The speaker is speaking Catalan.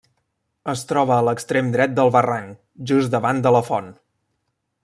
Es troba a l'extrem dret del barranc, just davant de la font.